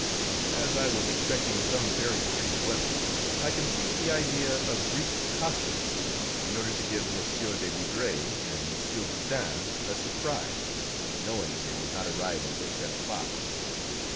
As I was expecting some very pretty women, I conceived the idea of Greek costumes, in order to give M. de Vaudreuil and M. Boutin a surprise, knowing they would not arrive until ten o'clock.